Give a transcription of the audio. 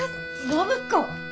暢子！